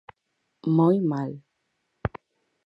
Moi mal.